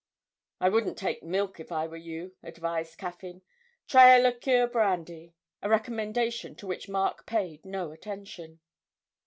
'I wouldn't take milk if I were you,' advised Caffyn. 'Try a liqueur brandy' a recommendation to which Mark paid no attention.